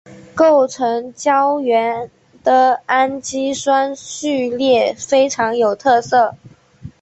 构成胶原的氨基酸序列非常有特色。